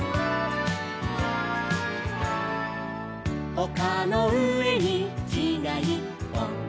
「おかのうえにきがいっぽん」